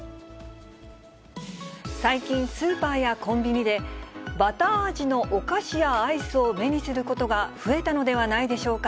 最近、スーパーやコンビニで、バター味のお菓子やアイスを目にすることが増えたのではないでし